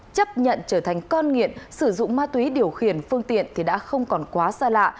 chấp nhận trở thành con nghiện sử dụng ma túy điều khiển phương tiện thì đã không còn quá xa lạ